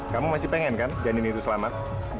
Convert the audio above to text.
kamu masih pengen kan janin itu selamat